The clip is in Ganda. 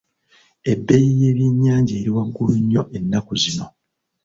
Ebbeeyi y'ebyennyanja eri waggulu nnyo ennaku zino.